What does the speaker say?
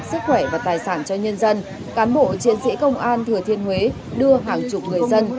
sức khỏe và tài sản cho nhân dân cán bộ chiến sĩ công an thừa thiên huế đưa hàng chục người dân